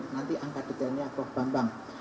nanti angka detailnya prof bambang